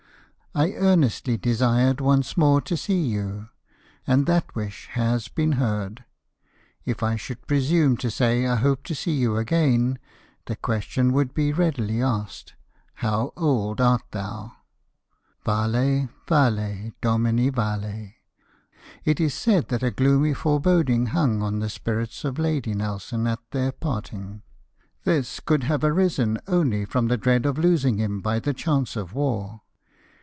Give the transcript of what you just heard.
I earnestly desired once more to see you, and that wish has been heard. If I should presume to say I hope to see you agaiQ, the question would be readily asked. How old art thou ? Yale ! vale ! Doviine, vale !" It is said that a gloomy foreboding hung on the spirits of Lady Nelson at their parting. This could have arisen only from the dread of losiag him by the chance of war.